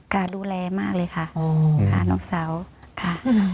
การดูแลมากเลยค่ะค่ะน้องสาวค่ะ